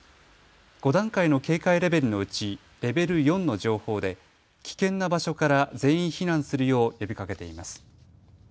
５段階の警戒レベルのうちレベル４の情報で危険な場所から全員避難するよう呼びかけています。